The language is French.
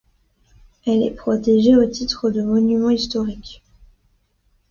Elle est protégée au titre de monument historique.